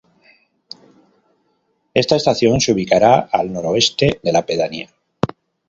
Esta estación se ubicará al noroeste de la pedanía.